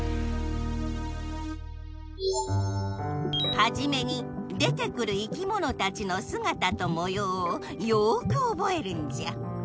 はじめに出てくる生きものたちのすがたともようをよくおぼえるんじゃ。